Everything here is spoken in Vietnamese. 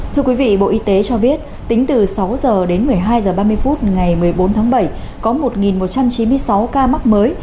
thưa quý vị bộ y tế cho biết tính từ sáu h đến một mươi hai h ba mươi phút ngày một mươi bốn tháng bảy có một một trăm chín mươi sáu ca mắc mới